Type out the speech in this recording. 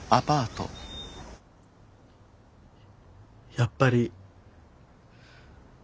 やっぱり。